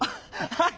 はい！